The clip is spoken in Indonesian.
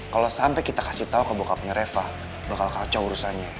kalau sampai kita kasih tahu ke bokapnya reva bakal kacau urusannya